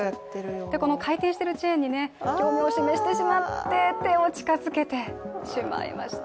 この回転しているチェーンに興味を持ってしまって、手を近づけてしまいました。